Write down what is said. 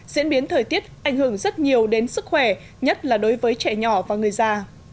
diễn biến thời tiết ảnh hưởng rất nhiều đến sức khỏe nhất là đối với trẻ nhỏ và người già